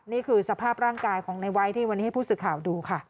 นี่คือสภาพร่างกายของในไว้ที่วันนี้ให้ผู้สื่อข่าวดูค่ะ